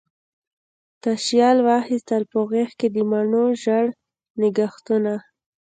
تشیال واخیستل په غیږکې، د مڼو ژړ نګهتونه